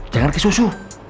jangan ke susu